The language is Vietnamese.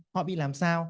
họ bị làm sao